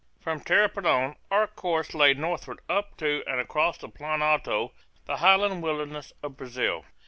From Tapirapoan our course lay northward up to and across the Plan Alto, the highland wilderness of Brazil.